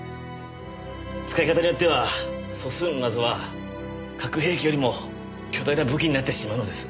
使い方によっては素数の謎は核兵器よりも巨大な武器になってしまうのです。